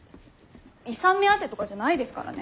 遺産目当てとかじゃないですからね。